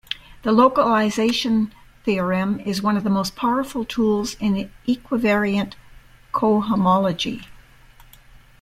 The localization theorem is one of the most powerful tools in equivariant cohomology.